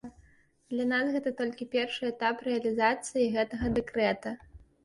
Для нас гэта толькі першы этап рэалізацыі гэтага дэкрэта.